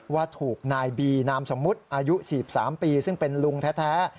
ว่าถูกนายบีนามสมมุติอายุ๔๓ปีซึ่งเป็นลุงแท้